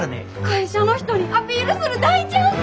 会社の人にアピールする大チャンス！